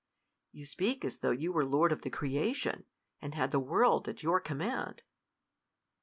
You speak as though you were lord of the creation, and had the world at ycur command.